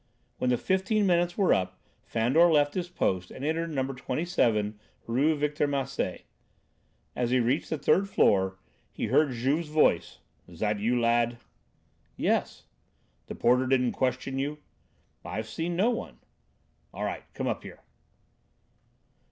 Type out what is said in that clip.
When the fifteen minutes were up Fandor left his post and entered No. 27 Rue Victor Massé. As he reached the third floor he heard Juve's voice: "Is that you, lad?" "Yes." "The porter didn't question you?" "I've seen no one." "All right, come up here."